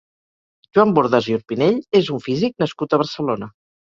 Joan Bordas i Orpinell és un físic nascut a Barcelona.